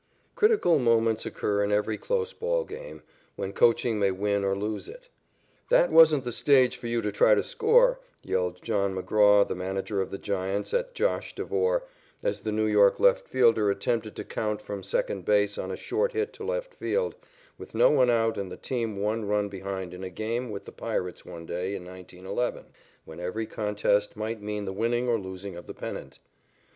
_ Critical moments occur in every close ball game, when coaching may win or lose it. "That wasn't the stage for you to try to score," yelled John McGraw, the manager of the Giants, at "Josh" Devore, as the New York left fielder attempted to count from second base on a short hit to left field, with no one out and the team one run behind in a game with the Pirates one day in 1911, when every contest might mean the winning or losing of the pennant.